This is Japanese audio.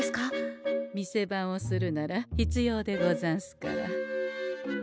店番をするなら必要でござんすから。